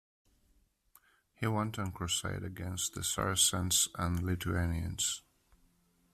He went on crusade against the Saracens and the Lithuanians.